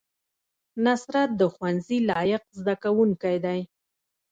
نصرت د ښوونځي لایق زده کوونکی دی